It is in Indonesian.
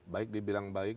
baik dibilang baik